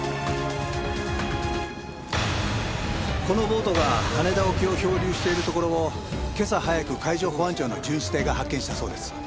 このボートが羽田沖を漂流しているところを今朝早く海上保安庁の巡視艇が発見したそうです。